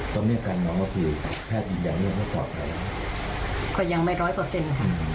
ตรงเนี้ยกันน้องเขาคือแพทย์ยังยังไม่ปลอดภัยหรอค่ะค่ะยังไม่ร้อยเปอร์เซ็นต์ค่ะ